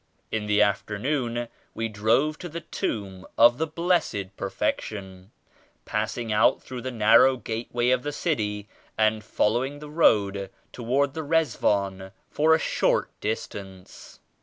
In the afternoon we drove to the Tomb of the Blessed Perfection, passing out through the nar row gateway of the city and following the road toward the Rizwan for a short distance.